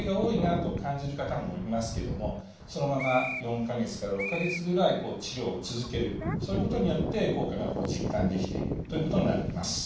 ですからそのまま４か月から６か月ぐらい治療を続けるそういうことによって効果が実感できていくということになります。